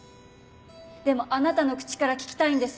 でもあなたの口から聞きたいんです。